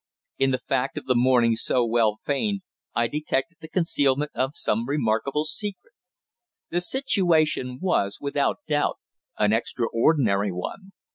In the fact of the mourning so well feigned I detected the concealment of some remarkable secret. The situation was, without doubt, an extraordinary one.